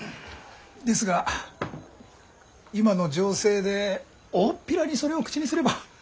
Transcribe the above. ですが今の情勢でおおっぴらにそれを口にすれば。